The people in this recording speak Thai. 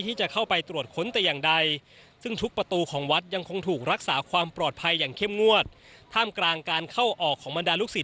ที่จะเข้าไปตรวจค้นแต่อย่างใด